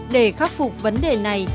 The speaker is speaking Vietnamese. để khắc phục vấn đề này